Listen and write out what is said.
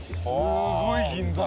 すごい銀座！